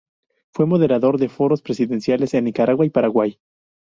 Fue moderador de Foros Presidenciales en Nicaragua y Paraguay.